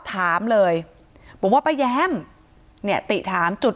ที่มีข่าวเรื่องน้องหายตัว